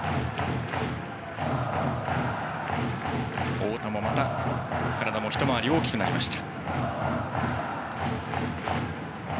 太田もまた体も一回り大きくなりました。